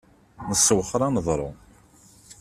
Nessewxer aneḍru.